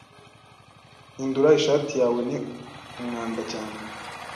Hindura ishati yawe. Ni umwanda cyane.